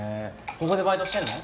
ここでバイトしてんの？